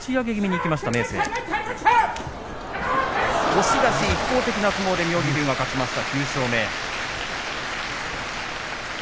押し出し一方的な相撲で妙義龍が勝ちました。